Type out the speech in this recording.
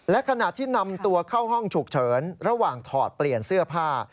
และขณะที่นำตัวเข้าห้องฉุกเฉินระหว่างถอดเปลี่ยนเสื้อผ้า